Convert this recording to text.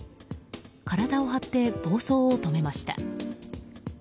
体を張って暴走を止めました。